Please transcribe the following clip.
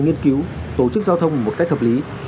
nghiên cứu tổ chức giao thông một cách hợp lý